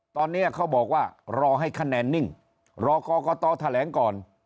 ตอนนี้เขาบอกว่ารอให้คะแนนนิ่งรอกรกตแถลงก่อน